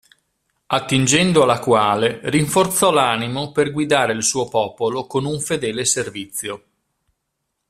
Attingendo alla quale rinforzò l'animo per guidare il suo popolo con un fedele servizio.